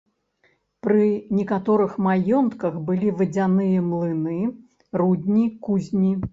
Пры некаторых маёнтках былі вадзяныя млыны, рудні, кузні.